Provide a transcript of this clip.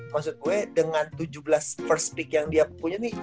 maksud gue dengan tujuh belas first peak yang dia punya nih